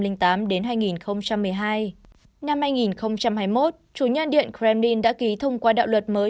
năm hai nghìn tám đến hai nghìn một mươi hai năm hai nghìn hai mươi một chủ nhà điện kremlin đã ký thông qua đạo luật mới